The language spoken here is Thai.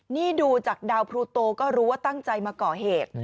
นี่ดูจากดาวพลูโตก็รู้ว่าตั้งใจมาก่อเหตุ